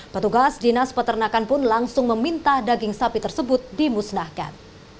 petugas dinas peternakan pun langsung meminta daging sapi tersebut dimusnahkan